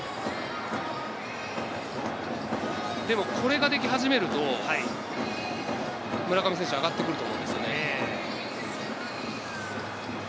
でも、これができ始めると、村上選手、上がってくると思うんです。